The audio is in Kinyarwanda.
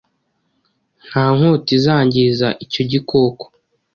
Nta nkota izangiza icyo gikoko